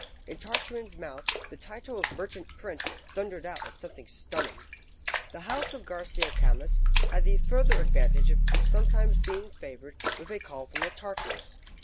In Tartarin's mouth, the title of Merchant Prince thundered out as something stunning! The house of Garcio Camus had the further advantage of sometimes being favoured with a call from the Tartars.